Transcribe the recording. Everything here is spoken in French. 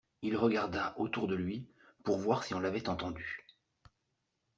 Il regarda autour de lui pour voir si on l’avait entendu.